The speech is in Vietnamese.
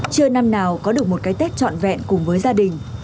chưa năm nào có được một cái tết trọn vẹn cùng với gia đình